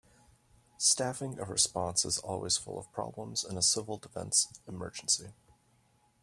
Staffing a response is always full of problems in a civil defense emergency.